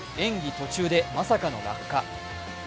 途中でまさかの落下。